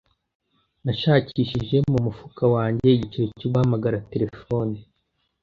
Nashakishije mu mufuka wanjye igiceri cyo guhamagara terefone.